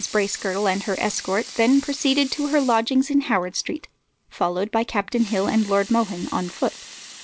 Bracegirdle and her escort then proceeded to her lodgings in Howard Street, followed by Captain Hill and Lord Mohun on foot.